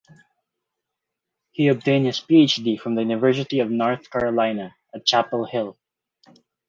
He obtained his PhD from the University of North Carolina at Chapel Hill.